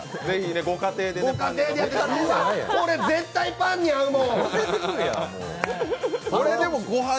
ご家庭で、これ絶対パンに合うもん！